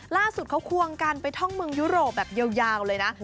ล่าสุดเขาควงกันไปท่องเมืองยุโรปแบบยาวเลยนะ